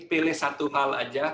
pilih satu hal aja